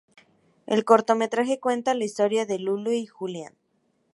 El cortometraje cuenta la historia de Lulu y Julian.